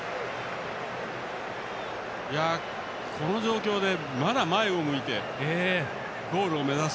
この状況でまだ前を向いてゴールを目指す。